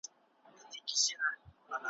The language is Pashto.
چي بل چاته څوک کوهی کیني ورلویږي ,